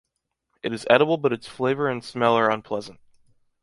It is edible but its flavor and small are unpleasant.